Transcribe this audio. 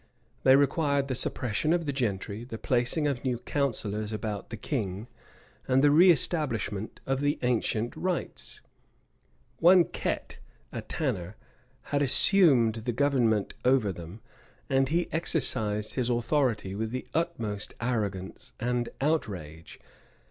They required the suppression of the gentry, the placing of new counsellors about the king, and the reëstablishment of the ancient rites. One Ket, a tanner, had assumed the government over them; and he exercised his authority with the utmost arrogance and outrage.